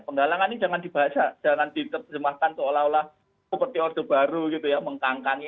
penggalangan ini jangan dibahas jangan dikemaskan seolah olah seperti orde baru gitu ya mengkangkangin